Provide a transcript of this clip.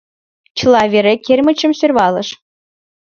Чыла вере кермычым сӧрвалыш.